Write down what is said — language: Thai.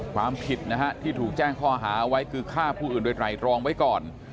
ความผิดนะฮะที่ถูกแจ้งข้อหาไว้คือฆ่าผู้อื่นโดยไตรรองไว้ก่อน